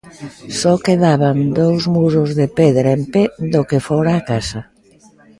Só quedaban dous muros de pedra en pé do que fora a casa.